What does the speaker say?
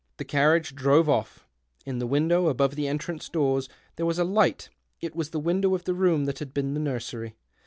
..." The carriage drove off. In tlie window above tlie entrance doors there was a light. It was the window of the room that had been the nursery.